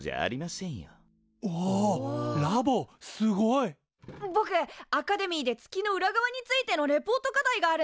すごい！ぼくアカデミーで月の裏側についてのレポート課題があるんだ。